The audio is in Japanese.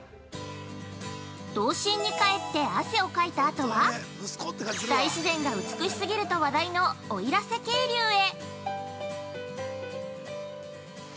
◆童心に返って汗をかいたあとは大自然が美しすぎると話題の奥入瀬渓流へ。